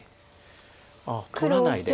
あっ取らないで。